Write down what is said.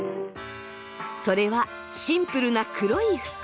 それはシンプルな黒い服。